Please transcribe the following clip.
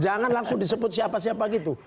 jangan langsung disebut siapa siapa gitu